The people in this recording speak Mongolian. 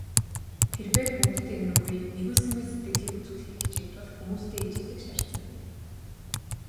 Тэр бээр бүгдэд энэрэнгүй, нигүүлсэнгүй сэтгэлийг үзүүлэхийг хичээх тул хүмүүстэй ижил тэгш харьцана.